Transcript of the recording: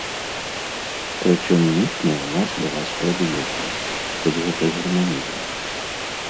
Прычым мытня ў нас была спрадвеку, хоць гэта германізм.